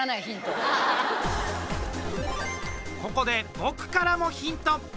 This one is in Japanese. ここで僕からもヒント。